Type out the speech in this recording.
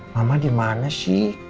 mama dimana sih